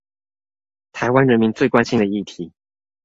臺灣人民最關心的議題